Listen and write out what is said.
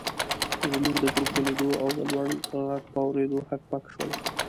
زموږ د ګروپ په لیدو او د لوړ غږ په اورېدو هک پک شول.